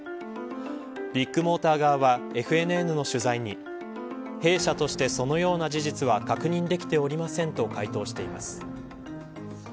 ビッグモーター側はＦＮＮの取材に弊社として、そのような事実は確認できておりません、と回答しています。